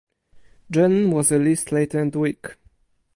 Ginn was released later in the week.